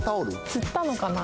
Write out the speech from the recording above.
釣ったのかな